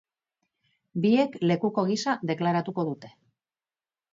Biek lekuko gisa deklaratuko dute.